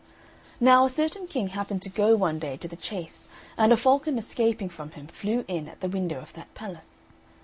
Now, a certain King happened to go one day to the chase, and a falcon escaping from him flew in at the window of that palace.